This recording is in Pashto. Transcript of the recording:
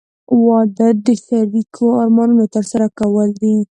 • واده د شریکو ارمانونو ترسره کول دي.